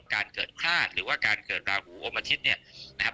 การเกิดพลาดหรือว่าการเกิดราหูอมอาทิตย์เนี่ยนะครับ